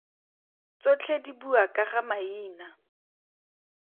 Tsotlhe di bua ka ga maina.